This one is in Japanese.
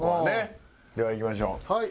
ではいきましょう。